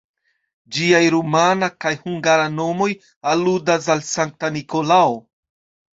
Ĝiaj rumana kaj hungara nomoj aludas al Sankta Nikolao.